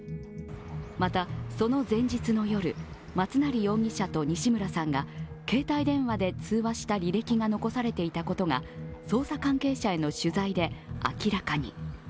またその前日の夜松成容疑者と西村さんが携帯電話で通話した履歴が残されていたことが捜査関係者への取材で明らかに。